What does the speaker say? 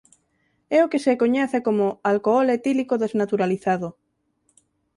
É o que se coñece como "alcohol etílico desnaturalizado".